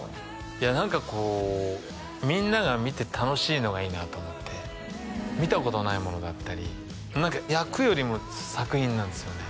いや何かこうみんなが見て楽しいのがいいなと思って見たことないものだったり役よりも作品なんですよね